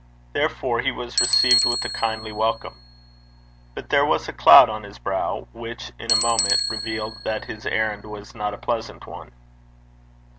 Therefore he was received with a kindly welcome. But there was a cloud on his brow which in a moment revealed that his errand was not a pleasant one.